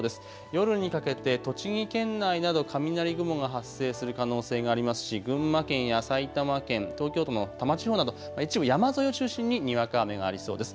夜にかけて栃木県内など雷雲が発生する可能性がありますし群馬県や埼玉県、東京都の多摩地方など一部、山沿いを中心ににわか雨がありそうです。